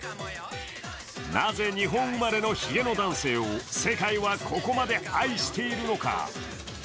なぜ日本生まれのひげの男性を世界はここまで愛しているのか。